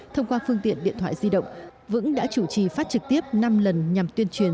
thông qua phương tiện điện thoại di động vững đã chủ trì phát trực tiếp năm lần nhằm tuyên truyền